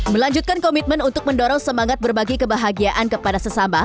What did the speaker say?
melanjutkan komitmen untuk mendorong semangat berbagi kebahagiaan kepada sesama